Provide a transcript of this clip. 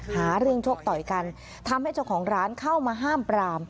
หาเรื่องชกต่อยกันทำให้เจ้าของร้านเข้ามาห้ามปราม